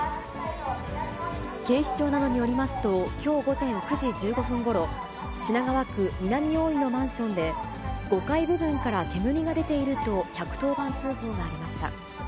警視庁などによりますと、きょう午前９時１５分ごろ、品川区南大井のマンションで、５階部分から煙が出ていると、１１０番通報がありました。